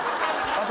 あと。